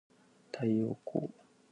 太陽光